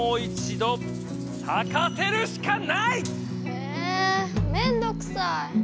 えぇめんどくさい！